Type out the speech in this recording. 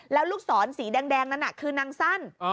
แล้วลูกศรสีแดงนั้นคือนางสั้น